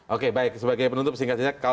oke baik sebagai penutup singkatnya